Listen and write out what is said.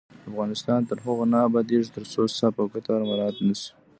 افغانستان تر هغو نه ابادیږي، ترڅو صف او کتار مراعت نشي.